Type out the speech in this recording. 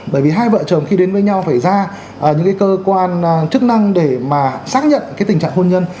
bởi vì hai vợ chồng khi đến với nhau phải ra những cái cơ quan chức năng để mà xác nhận cái tình trạng hôn nhân